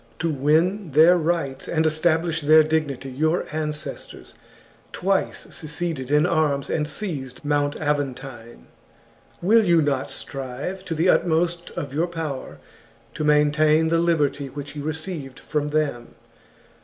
To win their rights and establish their dignity your ancestors twice seceded in arms and seized Mount Aventine ; will you not strive to the utmost of your power to maintain the liberty which you received from them